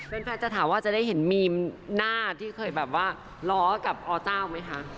แฟนจะถามว่าจะได้เห็นมีมหน้าที่เคยแบบว่าล้อกับอเจ้าไหมคะ